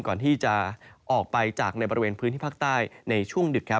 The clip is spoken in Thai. ก่อนที่จะออกไปจากในบริเวณพื้นที่ภาคใต้ในช่วงดึกครับ